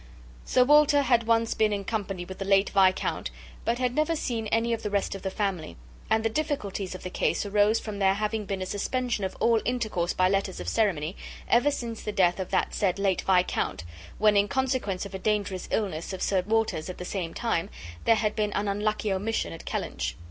Sir Walter had once been in company with the late viscount, but had never seen any of the rest of the family; and the difficulties of the case arose from there having been a suspension of all intercourse by letters of ceremony, ever since the death of that said late viscount, when, in consequence of a dangerous illness of Sir Walter's at the same time, there had been an unlucky omission at Kellynch.